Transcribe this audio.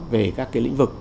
về các cái lĩnh vực